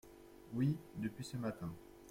Oui, depuis ce matin.